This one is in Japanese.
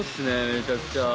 めちゃくちゃ。